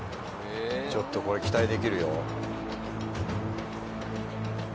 ちょっとこれ期待できるよ。